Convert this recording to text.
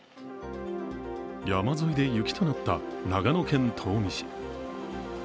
山沿いで雪となった長野県東御市。